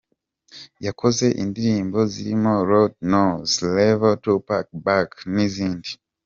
Yakoze indirimbo zirimo "Lord Knows", "Levels", "Tupac Back" n’izindi.